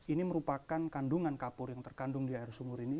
ini merupakan kandungan kapur yang terkandung di air sumur ini